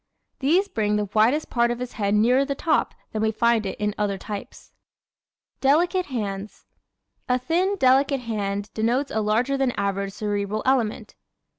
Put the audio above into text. These bring the widest part of his head nearer the top than we find it in other types. Delicate Hands ¶ A thin, delicate hand denotes a larger than average Cerebral element.